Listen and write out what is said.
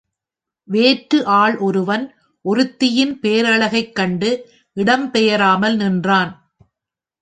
வேற்று ஆள் ஒருவன் ஒருத்தியின் பேரழகைக் கண்டு இடம் பெயராமல் நின்றான்.